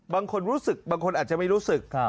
บางคนรู้สึกบางคนอาจจะไม่รู้สึก